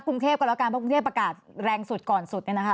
กรุงเทพกดลอการให้ประกาศแรงสุดก่อนสุด